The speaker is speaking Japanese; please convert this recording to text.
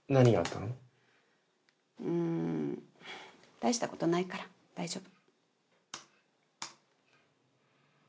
大したことないから大丈夫。